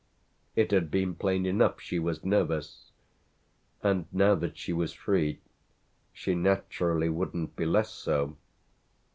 It had been plain enough she was nervous, and now that she was free she naturally wouldn't be less so.